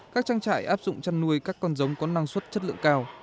các trang trại áp dụng chăn nuôi các con giống có năng suất chất lượng cao